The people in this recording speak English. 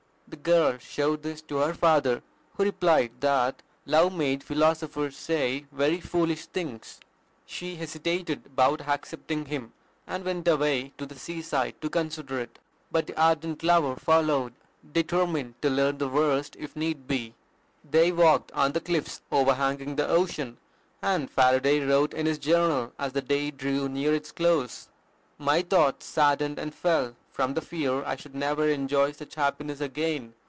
The girl showed this to her father, who replied that love made philosophers say very foolish things. She hesitated about accepting him, and went away to the seaside to consider it; but the ardent lover followed, determined to learn the worst if need be. They walked on the cliffs overhanging the ocean, and Faraday wrote in his journal as the day drew near its close, "My thoughts saddened and fell, from the fear I should never enjoy such happiness again.